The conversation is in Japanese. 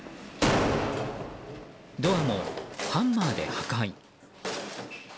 ドアもハンマーで破壊。